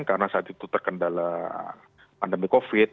karena saat itu terkendala pandemi covid